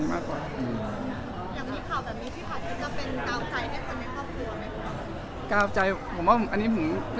อย่างมีข่าวแบบนี้ที่ผ่านมาเป็นกาวใจให้คนในครอบครัวไหมคะ